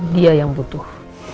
dia yang butuh